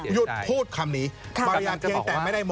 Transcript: หยุดพูดคำนี้